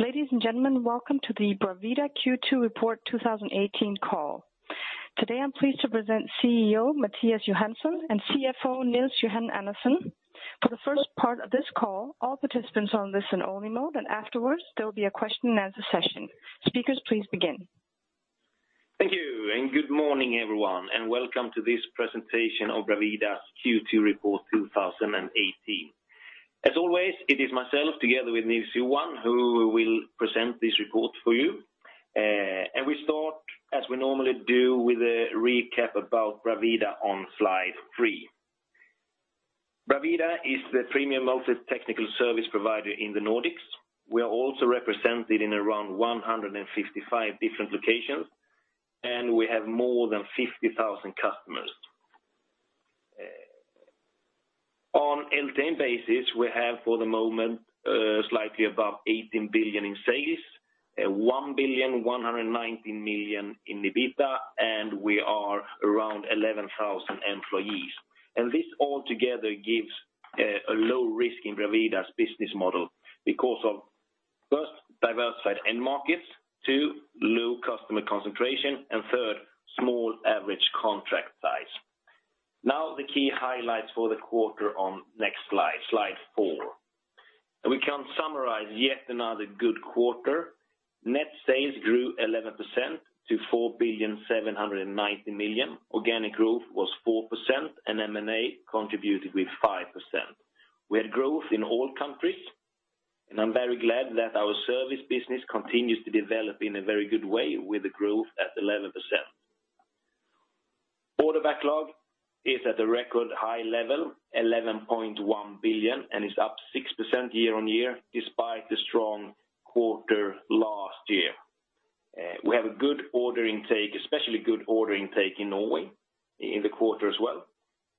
Ladies and gentlemen, welcome to the Bravida Q2 Report 2018 call. Today, I'm pleased to present CEO, Mattias Johansson, and CFO, Nils-Johan Andersson. For the first part of this call, all participants are on listen-only mode. Afterwards, there will be a question and answer session. Speakers, please begin. Thank you, good morning, everyone, and welcome to this presentation of Bravida's Q2 report 2018. As always, it is myself together with Nils-Johan, who will present this report for you. We start, as we normally do, with a recap about Bravida on slide 3. Bravida is the premium multi-technical service provider in the Nordics. We are also represented in around 155 different locations, and we have more than 50,000 customers. On LTM basis, we have, for the moment, slightly above 18 billion in sales, 1.19 billion in EBITDA, and we are around 11,000 employees. This all together gives a low risk in Bravida's business model because of, first, diversified end markets, two, low customer concentration, and third, small average contract size. The key highlights for the quarter on next slide 4. We can summarize yet another good quarter. Net sales grew 11% to 4.79 billion. Organic growth was 4%, and M&A contributed with 5%. We had growth in all countries, and I'm very glad that our service business continues to develop in a very good way with a growth at 11%. Order backlog is at a record high level, 11.1 billion, and is up 6% year-on-year, despite the strong quarter last year. We have a good ordering take, especially good ordering take in Norway in the quarter as well.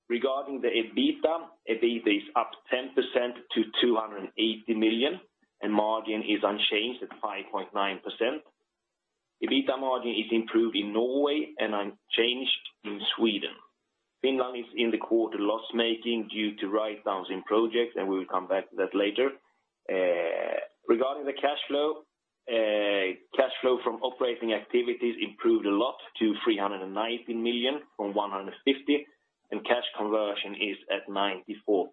Regarding the EBITDA is up 10% to 280 million, and margin is unchanged at 5.9%. EBITDA margin is improved in Norway and unchanged in Sweden. Finland is in the quarter loss-making due to writedowns in projects, and we will come back to that later. Regarding the cash flow, cash flow from operating activities improved a lot to 390 million from 150 million, and cash conversion is at 94%.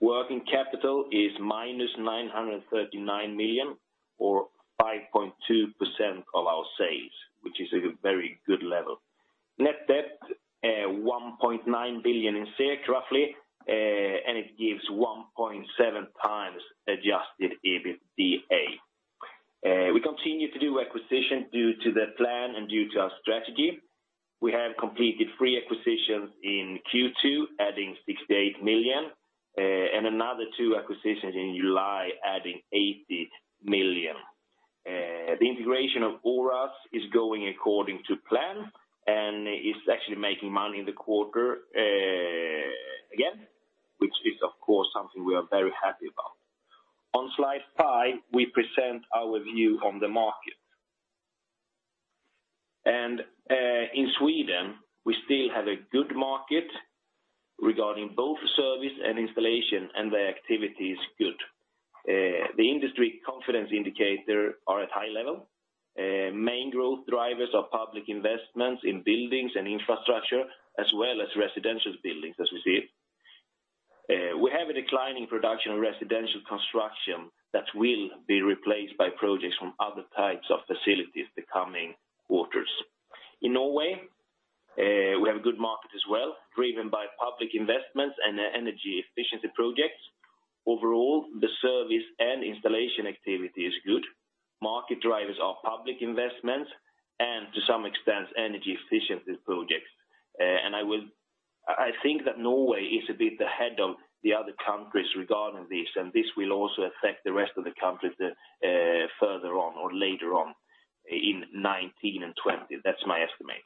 Working capital is -939 million or 5.2% of our sales, which is a very good level. Net debt, 1.9 billion, roughly, and it gives 1.7 times adjusted EBITDA. We continue to do acquisitions due to the plan and due to our strategy. We have completed 3 acquisitions in Q2, adding 68 million, and another 2 acquisitions in July, adding 80 million. The integration of Oras is going according to plan, and it's actually making money in the quarter again, which is, of course, something we are very happy about. On slide 5, we present our view on the market. In Sweden, we still have a good market regarding both service and installation, and the activity is good. The industry confidence indicator are at high level. Main growth drivers are public investments in buildings and infrastructure, as well as residential buildings, as we see it. We have a decline in production of residential construction that will be replaced by projects from other types of facilities the coming quarters. In Norway, we have a good market as well, driven by public investments and energy efficiency projects. Overall, the service and installation activity is good. Market drivers are public investments and, to some extent, energy efficiency projects. I think that Norway is a bit ahead of the other countries regarding this, and this will also affect the rest of the countries further on or later on in 2019 and 2020. That's my estimate.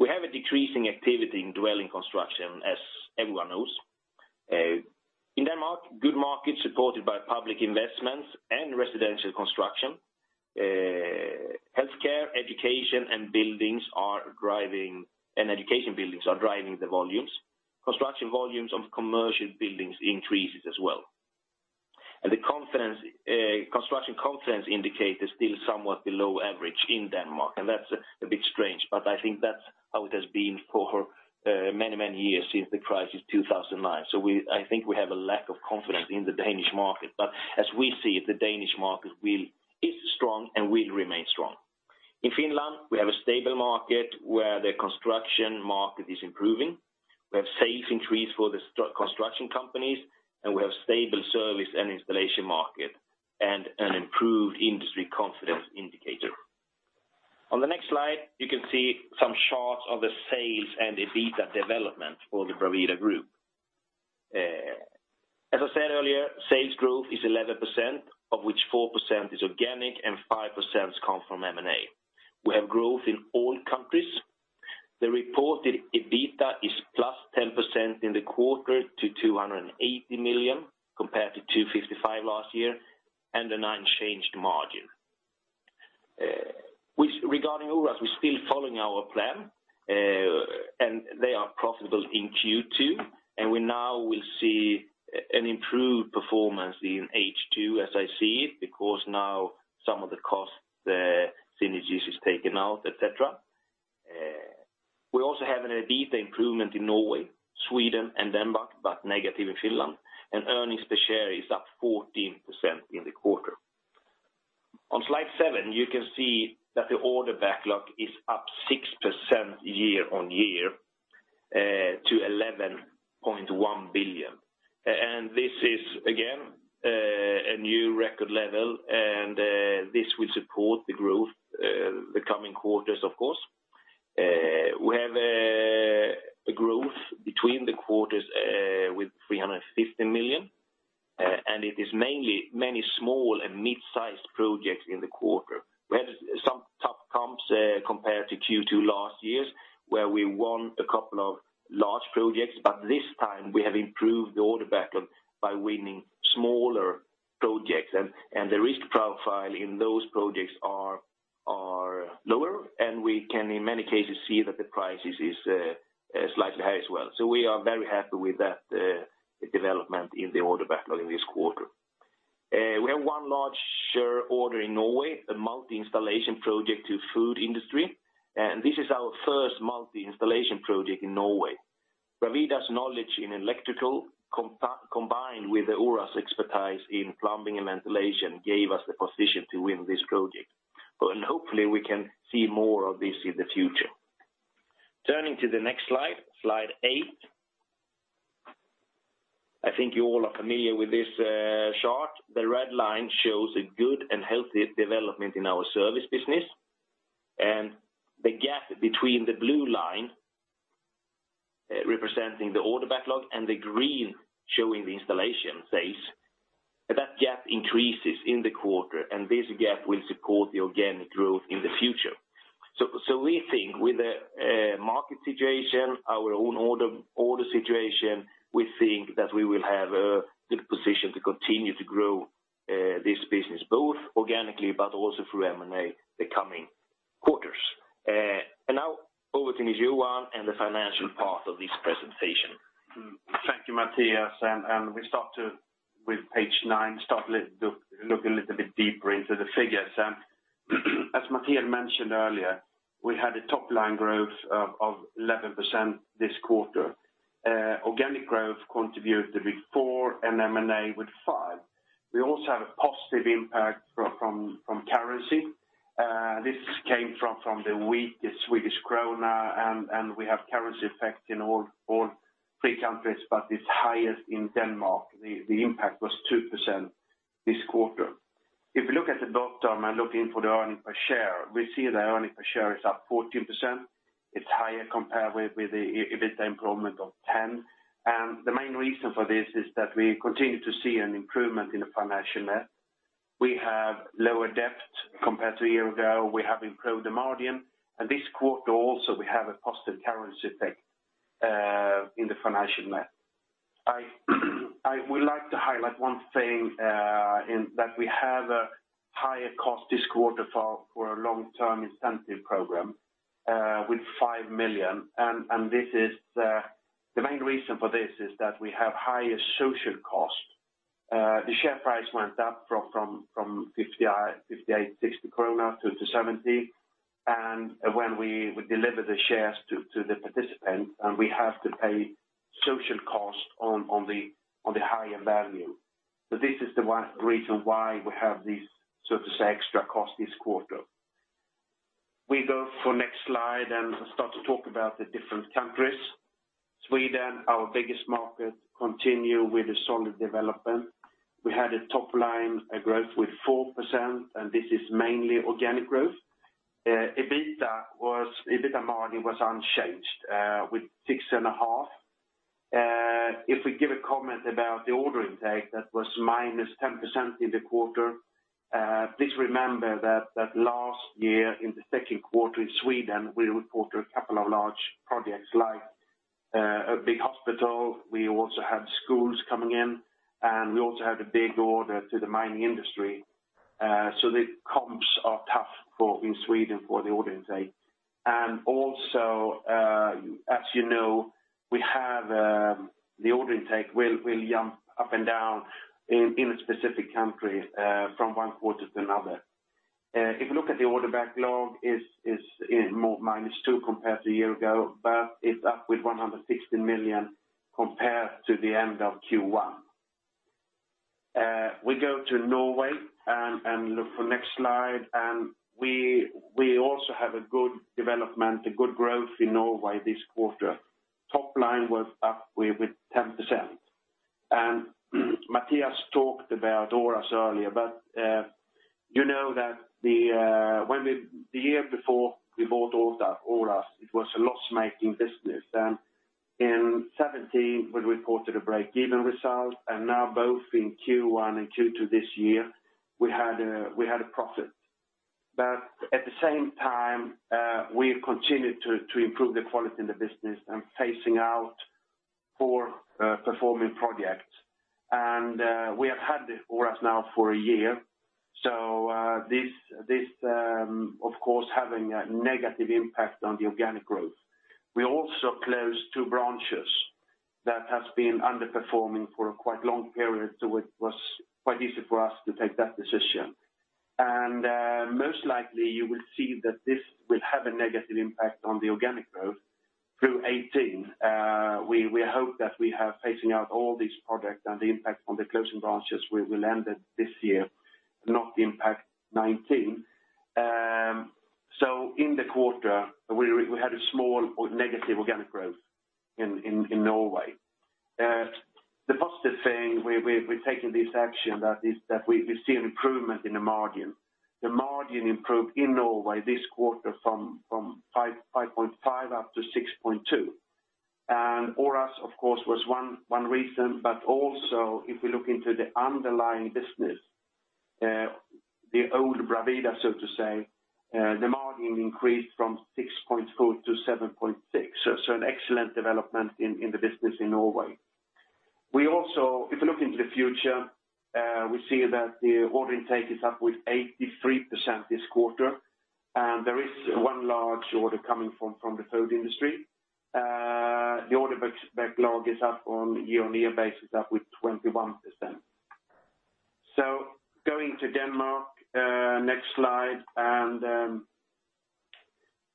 We have a decreasing activity in dwelling construction, as everyone knows. In Denmark, good market supported by public investments and residential construction. Healthcare, education, and education buildings are driving the volumes. Construction volumes of commercial buildings increases as well. The confidence, construction confidence indicator is still somewhat below average in Denmark, and that's a bit strange, but I think that's how it has been for many, many years since the crisis 2009. I think we have a lack of confidence in the Danish market, but as we see it, the Danish market is strong and will remain strong. In Finland, we have a stable market where the construction market is improving. We have safe increase for the construction companies, and we have stable service and installation market, and an improved industry confidence indicator. On the next slide, you can see some charts of the sales and EBITDA development for the Bravida Group. As I said earlier, sales growth is 11%, of which 4% is organic and 5% come from M&A. We have growth in all countries. The reported EBITDA is +10% in the quarter to 280 million, compared to 255 last year, and an unchanged margin. which regarding Oras, we're still following our plan, and they are profitable in Q2, and we now will see an improved performance in H2, as I see it, because now some of the cost, the synergies is taken out, et cetera. We also have an EBITDA improvement in Norway, Sweden, and Denmark, but negative in Finland, and earnings per share is up 14% in the quarter. On slide seven, you can see that the order backlog is up 6% year-on-year, to 11.1 billion. This is, again, a new record level, and this will support the growth, the coming quarters, of course. We have a growth between the quarters, with 350 million, and it is mainly many small and mid-sized projects in the quarter. We had some tough comps compared to Q2 last year, where we won a couple of large projects, this time we have improved the order backlog by winning smaller projects, and the risk profile in those projects are lower, and we can, in many cases, see that the prices is slightly higher as well. We are very happy with that development in the order backlog in this quarter. We have one large share order in Norway, a multi-installation project to food industry, this is our first multi-installation project in Norway. Bravida's knowledge in electrical combined with Oras expertise in plumbing and ventilation, gave us the position to win this project. Hopefully, we can see more of this in the future. Turning to the next slide 8. I think you all are familiar with this chart. The red line shows a good and healthy development in our service business. The gap between the blue line, representing the order backlog and the green showing the installation phase, that gap increases in the quarter. This gap will support the organic growth in the future. We think with the market situation, our own order situation, we think that we will have a good position to continue to grow this business, both organically, but also through M&A, the coming quarters. Now, over to Johan and the financial part of this presentation. Thank you, Mattias, and we start with page 9, look a little bit deeper into the figures. As Mattias mentioned earlier, we had a top-line growth of 11% this quarter. Organic growth contributed with 4%, and M&A with 5%. We also have a positive impact from currency. This came from the weak Swedish krona, and we have currency effect in all 3 countries, but it's highest in Denmark. The impact was 2% this quarter. If you look at the bottom and look into the earning per share, we see the earning per share is up 14%. It's higher compared with the EBITDA improvement of 10%, and the main reason for this is that we continue to see an improvement in the financial net. We have lower debt compared to a year ago. We have improved the margin, and this quarter also, we have a positive currency effect in the financial net. I would like to highlight one thing in that we have a higher cost this quarter for a long-term incentive program with 5 million, and this is the main reason for this is that we have higher social cost. The share price went up from 58, 60 krona to 70. When we deliver the shares to the participants, and we have to pay social cost on the higher value. This is the one reason why we have this, so to say, extra cost this quarter. We go for next slide and start to talk about the different countries. Sweden, our biggest market, continue with a solid development. We had a top line growth with 4%, and this is mainly organic growth. EBITDA margin was unchanged with 6.5%. If we give a comment about the order intake, that was -10% in the quarter, please remember that last year, in Q2 in Sweden, we reported a couple of large projects, like a big hospital. We also had schools coming in, and we also had a big order to the mining industry. The comps are tough for, in Sweden, for the order intake. Also, as you know, we have the order intake will jump up and down in a specific country from one quarter to another. If you look at the order backlog, is minus 2 compared to a year ago, but it's up with 160 million compared to the end of Q1. We go to Norway, and look for next slide, and we also have a good development, a good growth in Norway this quarter. Top line was up with 10%. Mattias talked about Oras earlier, you know that the year before we bought Oras, it was a loss-making business. In 2017, we reported a break-even result, and now both in Q1 and Q2 this year, we had a profit. At the same time, we continued to improve the quality in the business and phasing out poor performing projects. We have had this for us now for a year. This, this, of course, having a negative impact on the organic growth. We also closed two branches that has been underperforming for a quite long period, so it was quite easy for us to take that decision. Most likely, you will see that this will have a negative impact on the organic growth through 2018. We hope that we have phasing out all these products and the impact on the closing branches will end it this year, not impact 2019. In the quarter, we had a small or negative organic growth in Norway. The positive thing, we've taken this action that is that we see an improvement in the margin. The margin improved in Norway this quarter from 5.5% up to 6.2%. Oras, of course, was one reason, but also if we look into the underlying business, the old Bravida, so to say, the margin increased from 6.4% to 7.6%, so an excellent development in the business in Norway. We also, if you look into the future, we see that the order intake is up with 83% this quarter, and there is one large order coming from the food industry. The order backlog is up on year-on-year basis, up with 21%. Going to Denmark, next slide,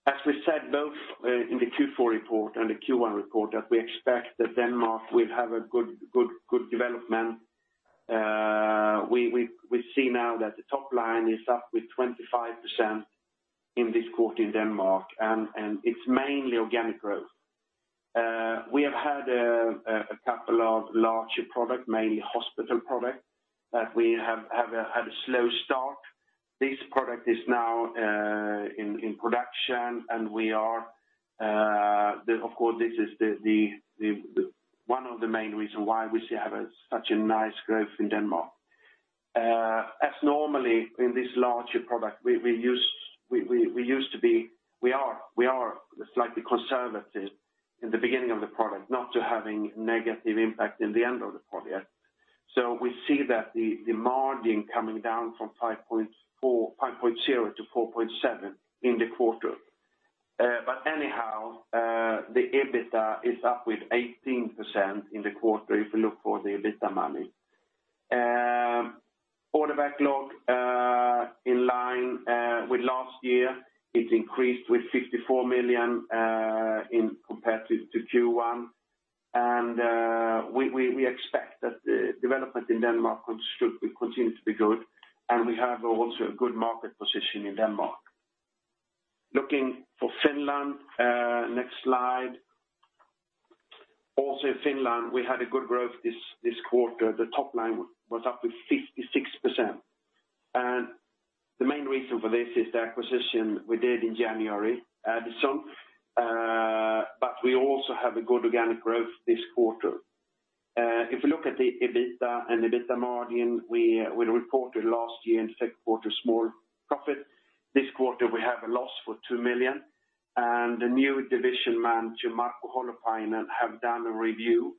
as we said, both in the Q4 report and the Q1 report, that we expect that Denmark will have a good development. We see now that the top line is up with 25% in this quarter in Denmark, and it's mainly organic growth. We have had a couple of larger product, mainly hospital product, that we have had a slow start. This product is now in production, and we are... Of course, this is one of the main reason why we still have a such a nice growth in Denmark. As normally in this larger product, we use, we are slightly conservative in the beginning of the product, not to having negative impact in the end of the project. We see that the margin coming down from 5.0% to 4.7% in the quarter. But anyhow, the EBITDA is up with 18% in the quarter if you look for the EBITDA money. Order backlog, in line with last year, it increased with 54 million in comparative to Q1. We expect that the development in Denmark should continue to be good, and we have also a good market position in Denmark. Looking for Finland, next slide. Also in Finland, we had a good growth this quarter. The top line was up with 56%. The main reason for this is the acquisition we did in January, Adison, but we also have a good organic growth this quarter. If you look at the EBITDA and EBITDA margin, we reported last year in second quarter, small profit. This quarter, we have a loss for 2 million. The new division manager, Marko Holopainen, have done a review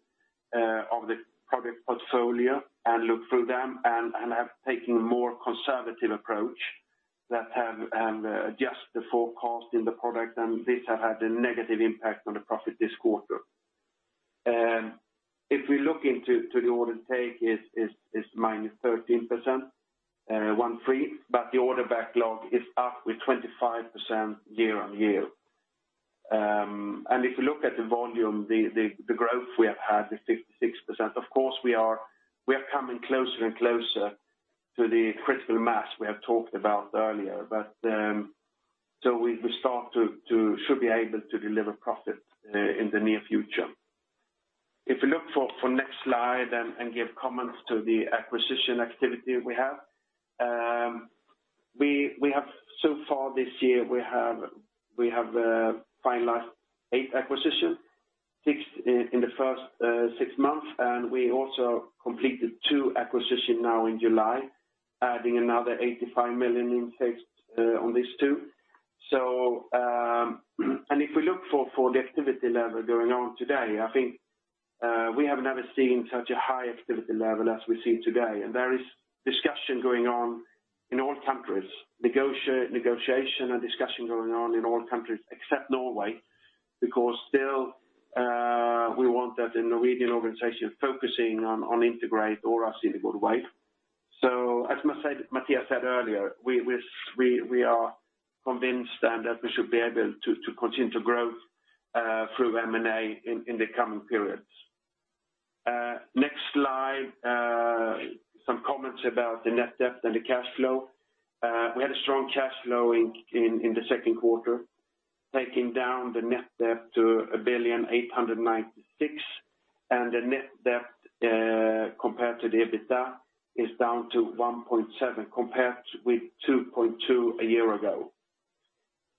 of the product portfolio and looked through them and have taken a more conservative approach that have adjust the forecast in the product, and this have had a negative impact on the profit this quarter. If we look into to the order take, it's minus 13%, 1 3, but the order backlog is up with 25% year on year. If you look at the volume, the growth we have had is 56%. Of course, we are coming closer and closer to the critical mass we have talked about earlier. We start to should be able to deliver profit in the near future. If you look for next slide and give comments to the acquisition activity we have, we have so far this year, we have finalized 8 acquisitions, 6 in the first 6 months, and we also completed 2 acquisition now in July, adding another 85 million in sales on these two. If we look for the activity level going on today, I think we have never seen such a high activity level as we see today. There is discussion going on in all countries, negotiation and discussion going on in all countries except Norway, because still we want that the Norwegian organization focusing on integrate Oras in a good way. As Mattias said earlier, we are convinced that we should be able to continue to grow through M&A in the coming periods. Next slide, some comments about the net debt and the cash flow. We had a strong cash flow in the second quarter, taking down the net debt to 1.896 billion, and the net debt compared to the EBITDA is down to 1.7, compared with 2.2 a year ago.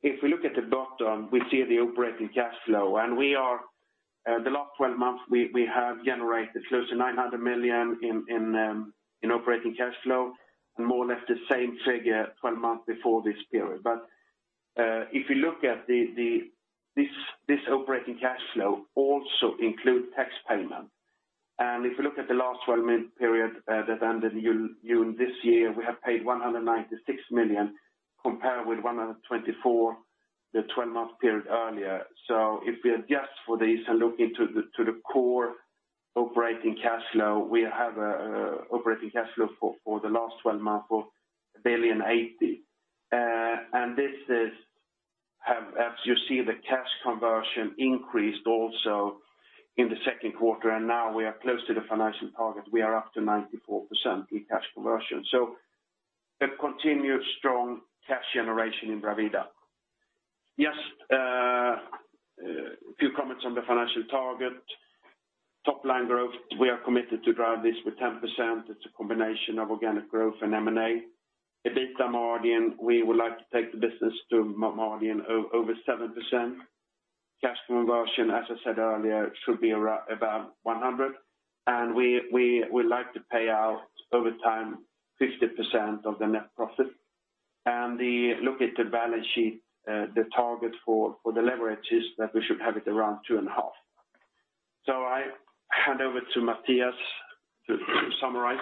If we look at the bottom, we see the operating cash flow, and we are the last 12 months, we have generated close to 900 million in operating cash flow, and more or less the same figure 12 months before this period. If you look at this operating cash flow also include tax payment. If you look at the last 12-month period that ended in June this year, we have paid 196 million, compared with 124 million, the 12-month period earlier. If we adjust for this and look into the core operating cash flow, we have a operating cash flow for the last 12 months of 1.08 billion. This have, as you see, the cash conversion increased also in the second quarter, now we are close to the financial target. We are up to 94% in cash conversion. A continued strong cash generation in Bravida. A few comments on the financial target. Top-line growth, we are committed to drive this with 10%. It's a combination of organic growth and M&A. EBITDA margin, we would like to take the business to margin of over 7%. Cash conversion, as I said earlier, should be around, about 100, and we would like to pay out over time, 50% of the net profit. Look at the balance sheet, the target for the leverage is that we should have it around 2.5. I hand over to Mattias to summarize.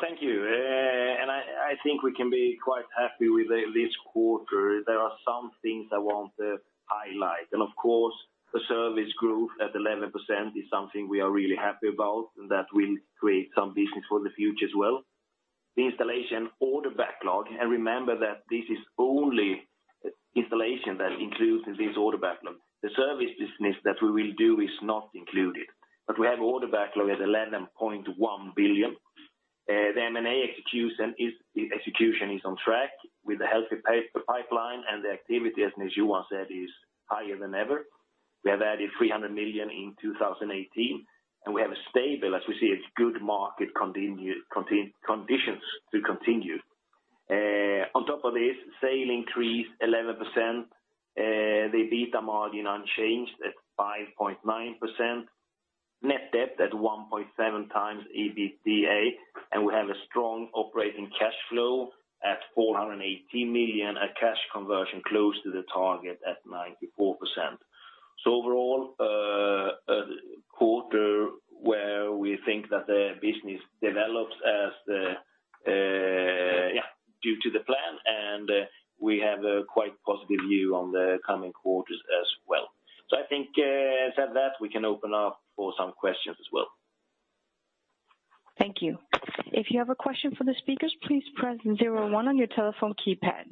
Thank you. I think we can be quite happy with this quarter. There are some things I want to highlight, and of course, the service growth at 11% is something we are really happy about, and that will create some business for the future as well. The installation order backlog, and remember that this is only installation that includes this order backlog. The service business that we will do is not included, but we have order backlog at 11.1 billion. The M&A execution is on track with a healthy pipeline, and the activity, as Johan said, is higher than ever. We have added 300 million in 2018, and we have a stable, as we see, it's good market continue conditions to continue. On top of this, sale increased 11%, the EBITDA margin unchanged at 5.9%, net debt at 1.7x EBITDA, and we have a strong operating cash flow at 418 million, a cash conversion close to the target at 94%. Overall, a quarter where we think that the business develops as the, yeah, due to the plan, and, we have a quite positive view on the coming quarters as well. I think, said that, we can open up for some questions as well. Thank you. If you have a question for the speakers, please press zero-one on your telephone keypad.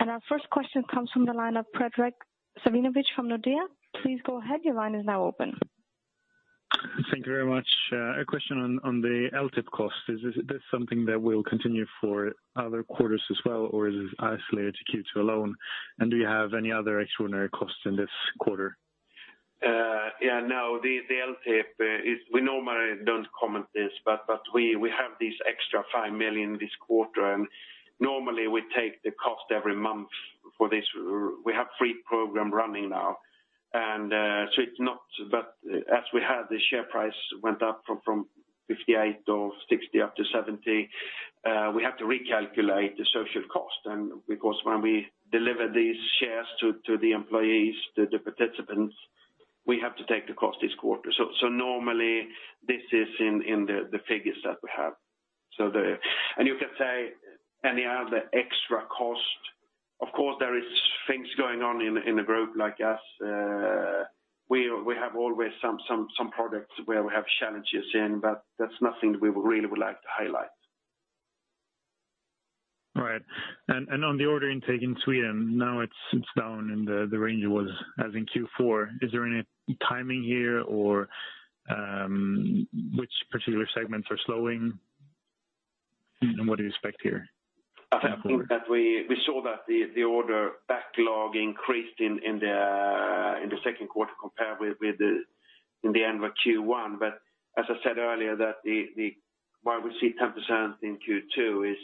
Our first question comes from the line of Fredrik Svanström from Nordea. Please go ahead. Your line is now open. Thank you very much. A question on the LTIP cost. Is this something that will continue for other quarters as well, or is it isolated to Q2 alone? Do you have any other extraordinary costs in this quarter? Yeah, no, the LTIP is we normally don't comment this, but we have this extra 5 million this quarter, and normally we take the cost every month for this. We have three program running now, but as we have, the share price went up from 58 or 60 up to 70. We have to recalculate the social cost, and because when we deliver these shares to the employees, to the participants, we have to take the cost this quarter. Normally this is in the figures that we have. You can say any other extra cost, of course, there is things going on in a group like us. We have always some products where we have challenges in, but that's nothing we would really like to highlight. Right. On the order intake in Sweden, now it's down, and the range was as in Q4. Is there any timing here or which particular segments are slowing, and what do you expect here? I think that we saw that the order backlog increased in the second quarter compared with the end of Q1. As I said earlier, that why we see 10% in Q2 is,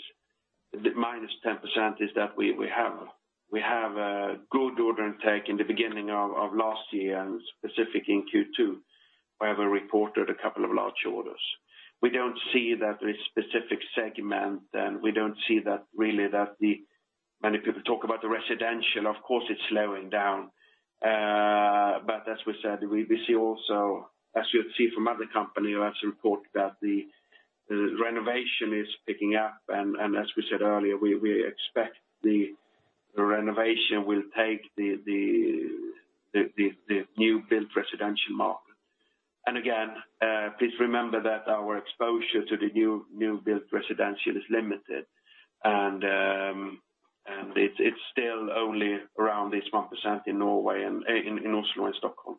the -10%, is that we have a good order intake in the beginning of last year, and specific in Q2, where we reported a couple of large orders. We don't see that there is specific segment, we don't see that really that many people talk about the residential, of course, it's slowing down. As we said, we see also, as you see from other company who has reported that the renovation is picking up, and as we said earlier, we expect the renovation will take the new build residential market. Again, please remember that our exposure to the new build residential is limited, and it's still only around this 1% in Norway and in Oslo and Stockholm.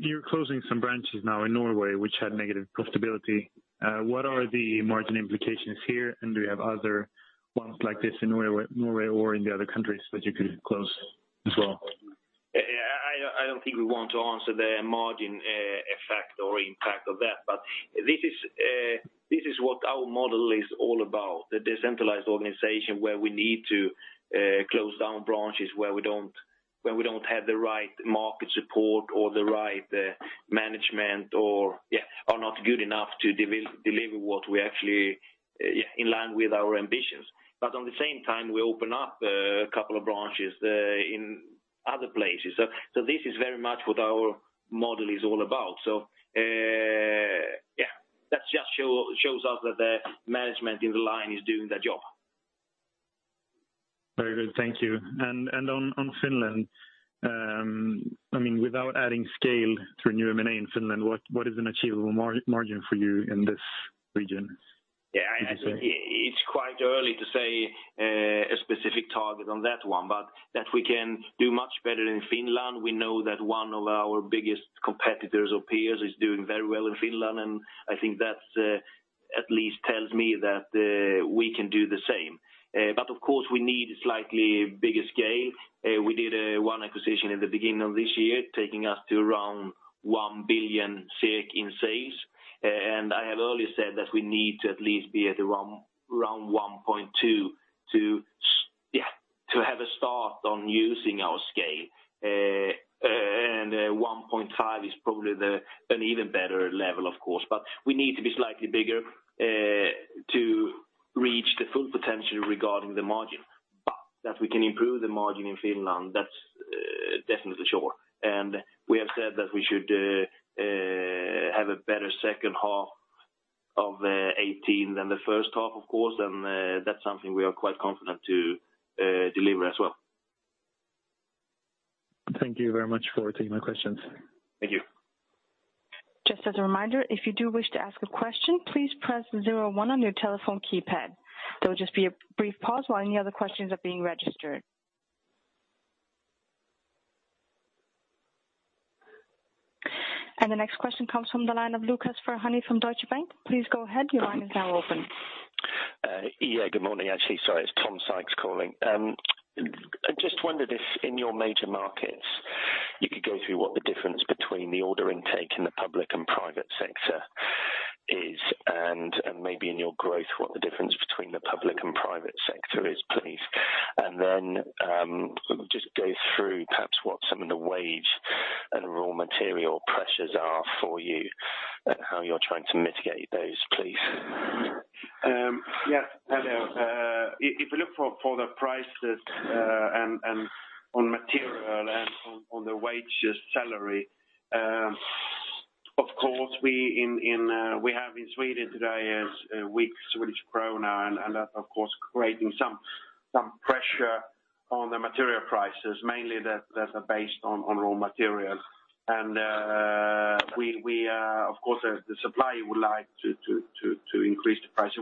You're closing some branches now in Norway, which had negative profitability. What are the margin implications here, and do you have other ones like this in Norway or in the other countries that you could close as well? I don't think we want to answer the margin effect or impact of that, this is what our model is all about, the decentralized organization, where we need to close down branches when we don't have the right market support or the right management or are not good enough to deliver what we actually in line with our ambitions. On the same time, we open up a couple of branches in other places. This is very much what our model is all about. That just shows us that the management in the line is doing their job. Very good, thank you. And on Finland, I mean, without adding scale through new M&A in Finland, what is an achievable margin for you in this region? Yeah, I, it's quite early to say a specific target on that one, but that we can do much better in Finland, we know that one of our biggest competitors or peers is doing very well in Finland, and I think that's at least tells me that we can do the same. Of course, we need a slightly bigger scale. We did one acquisition at the beginning of this year, taking us to around 1 billion in sales. I have already said that we need to at least be at around 1.2 to yeah, to have a start on using our scale. 1.5 is probably the, an even better level, of course. We need to be slightly bigger to reach the full potential regarding the margin. That we can improve the margin in Finland, that's definitely sure. We have said that we should have a better second half of 2018 than the first half, of course, and that's something we are quite confident to deliver as well. Thank you very much for taking my questions. Thank you. Just as a reminder, if you do wish to ask a question, please press zero one on your telephone keypad. There will just be a brief pause while any other questions are being registered. The next question comes from the line of Lucas Ferhani from Deutsche Bank. Please go ahead. Your line is now open. Yeah, good morning. Actually, sorry, it's Tom Sykes calling. I just wondered if in your major markets, you could go through what the difference between the order intake in the public and private sector is, and maybe in your growth, what the difference between the public and private sector is, please? Then, just go through perhaps what some of the wage and raw material pressures are for you, and how you're trying to mitigate those, please. Yes. Hello, if you look for the prices, and on material and on the wages, salary, of course, we have in Sweden today is a weak Swedish krona, and that, of course, creating pressure on the material prices, mainly that are based on raw materials. Of course, the supplier would like to increase the price.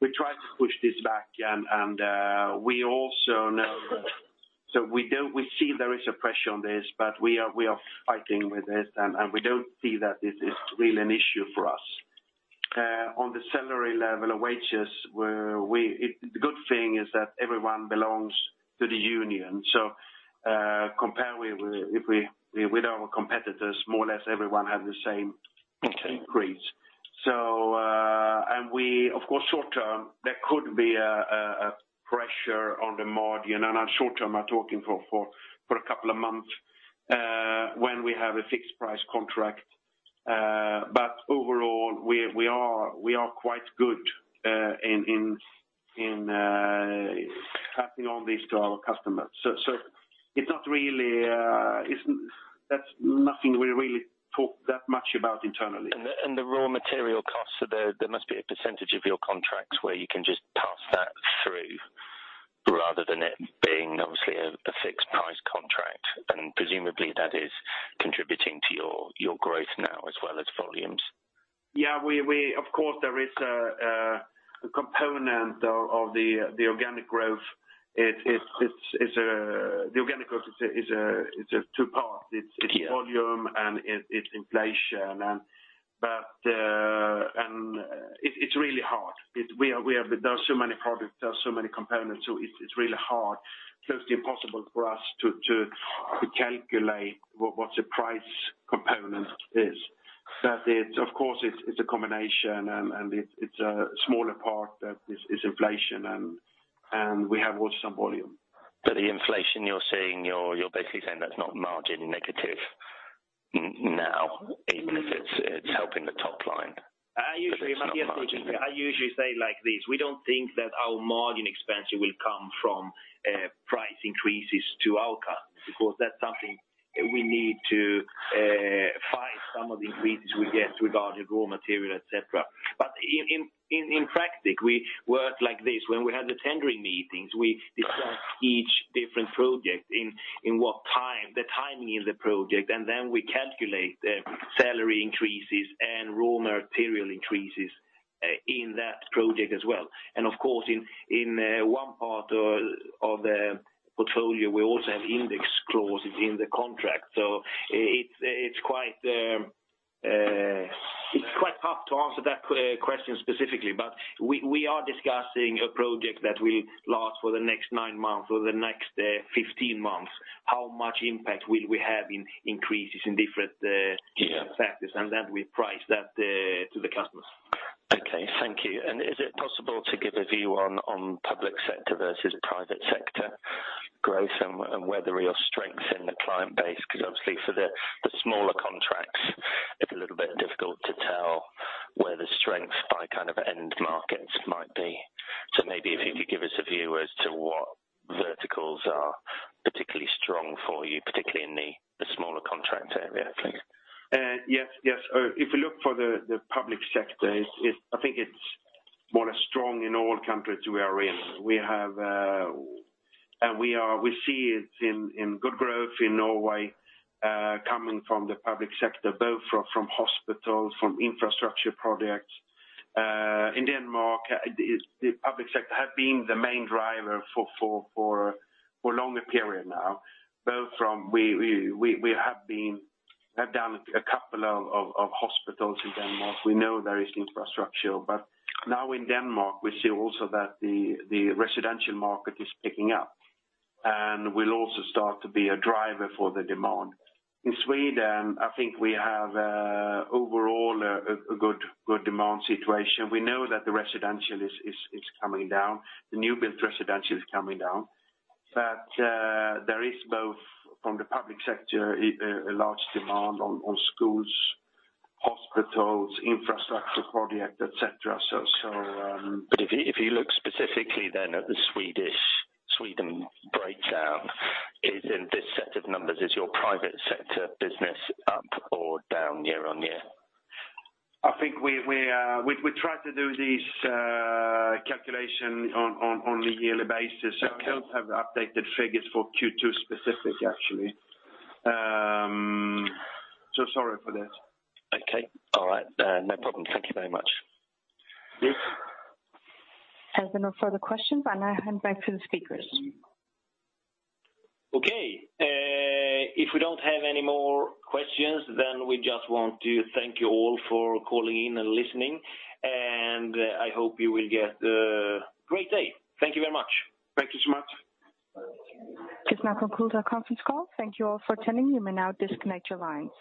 We try to push this back, and we also know that... We see there is a pressure on this, but we are fighting with it, and we don't see that it is really an issue for us. On the salary level of wages, the good thing is that everyone belongs to the union. Compare with, if we, with our competitors, more or less everyone have the same increase. And we, of course, short term, there could be a pressure on the margin, and on short term, I'm talking for a couple of months, when we have a fixed price contract. But overall, we are quite good in passing on this to our customers. It's not really, that's nothing we really talk that much about internally. The raw material costs, are there must be a percentage of your contracts where you can just pass that through, rather than it being obviously a fixed price contract, and presumably that is contributing to your growth now as well as volumes. Yeah, we of course, there is a component of the organic growth. The organic growth is a, it's a two-part. Yeah. It's volume, and it's inflation. It's really hard. There are so many products, there are so many components, so it's really hard, closely impossible for us to calculate what the price component is. Of course, it's a combination, and it's a smaller part that is inflation, and we have also some volume. The inflation you're seeing, you're basically saying that's not margin negative now, even if it's helping the topline? I usually- It's not margin negative. I usually say it like this: We don't think that our margin expansion will come from price increases to our customers, because that's something we need to find some of the increases we get regarding raw material, et cetera. In practice, we work like this. When we have the tendering meetings, we discuss each different project, in what time, the timing of the project, and then we calculate the salary increases and raw material increases in that project as well. Of course, in one part of the portfolio, we also have index clauses in the contract. It's quite tough to answer that question specifically. We are discussing a project that will last for the next nine months or the next 15 months, how much impact will we have in increases in different? Yeah Factors, and then we price that to the customers. Okay, thank you. Is it possible to give a view on public sector versus private sector growth and whether your strengths in the client base? Because obviously for the smaller contracts, it's a little bit difficult to tell where the strength by kind of end markets might be. Maybe if you could give us a view as to what verticals are particularly strong for you, particularly in the smaller contract area, I think? Yes, yes. If you look for the public sector, it's, I think it's more strong in all countries we are in. We have, we are, we see it in good growth in Norway, coming from the public sector, both from hospitals, from infrastructure projects. In Denmark, it, the public sector have been the main driver for longer period now, both from we have been, have done a couple of hospitals in Denmark. We know there is infrastructure. Now in Denmark, we see also that the residential market is picking up, and will also start to be a driver for the demand. In Sweden, I think we have overall a good demand situation. We know that the residential is coming down. The new build residential is coming down, but there is both, from the public sector, a large demand on schools, hospitals, infrastructure project, et cetera. If you look specifically then at the Swedish, Sweden breakdown, is in this set of numbers, is your private sector business up or down year-on-year? I think we try to do this calculation on a yearly basis. Okay. I don't have updated figures for Q2 specific, actually. Sorry for that. Okay, all right, no problem. Thank you very much. Yes. As there are no further questions, I now hand back to the speakers. Okay. If we don't have any more questions, we just want to thank you all for calling in and listening, I hope you will get a great day. Thank you very much. Thank you so much. This now concludes our conference call. Thank you all for attending. You may now disconnect your line.